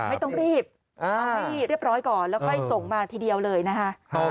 ไม่ต้องรีบเอาให้เรียบร้อยก่อนแล้วค่อยส่งมาทีเดียวเลยนะคะ